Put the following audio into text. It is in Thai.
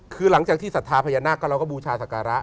คือหลังจากที่สภพหญานากแล้วก็บูชาศักระ